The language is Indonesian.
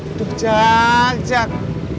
duduk jak jak